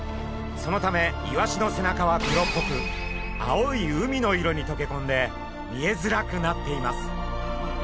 そのためイワシの背中は黒っぽく青い海の色にとけこんで見えづらくなっています。